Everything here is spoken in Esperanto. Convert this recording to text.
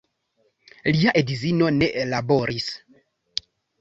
Lia edzino ne laboris.